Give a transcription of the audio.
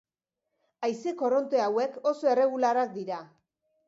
Haize korronte hauek oso erregularrak dira.